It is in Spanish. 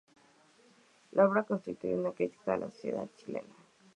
La obra constituye una crítica a la sociedad chilena.